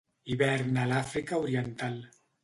Hiverna a l'Àfrica oriental.